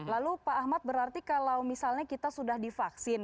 lalu pak ahmad berarti kalau misalnya kita sudah divaksin